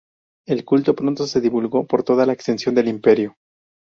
El culto pronto se divulgó por toda la extensión del Imperio.